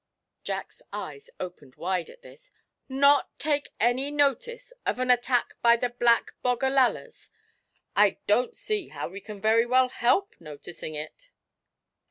Jack's eyes opened wide at this. 'Not take any notice of an attack by Black Bogallalas! I don't see how we can very well help noticing it!'